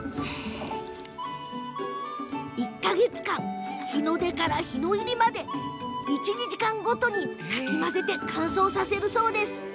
１か月間日の出から日の入りまで１、２時間ごとにかき混ぜて乾燥させます。